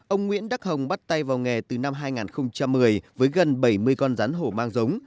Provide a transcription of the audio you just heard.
ông nguyễn đắc hồng bắt tay vào nghề từ năm hai nghìn một mươi với gần bảy mươi con rắn hổ mang giống